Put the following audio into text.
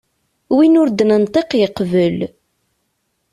Win ur d-nenṭiq yeqbel.